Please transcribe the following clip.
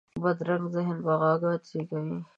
بدرنګه ذهن بغاوت زېږوي